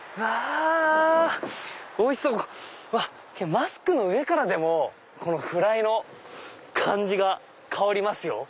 マスクの上からでもフライの感じが香りますよ。